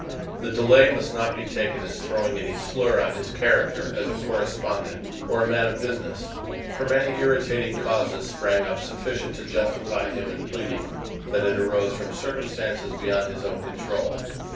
The delay must not be taken as throwing any slur on his character as a correspondent or a man of business, for many irritating causes sprang up sufficient to justify him in pleading that it arose from circumstances beyond his own control.